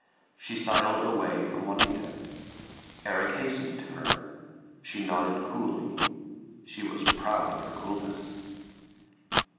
She sidled away from Juanita. Erik hastened to her. She nodded coolly (she was proud of her coolness).